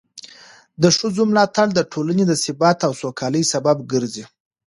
د ښځو ملاتړ د ټولنې د ثبات او سوکالۍ سبب ګرځي.